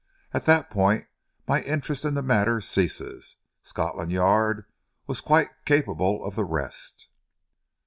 At that point my interest in the matter ceases. Scotland Yard was quite capable of the rest."